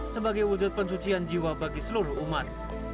sebagai wujud pencucian jiwa bagi seluruh umat